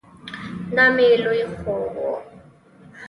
دا مې لوی خوب ؤ